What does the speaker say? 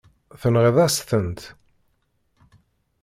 Tenɣiḍ-as-tent.